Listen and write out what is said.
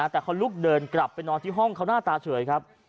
แต่เขาลุกเดินกลับไปนอนที่ห้องเขาหน้าตาเฉยครับ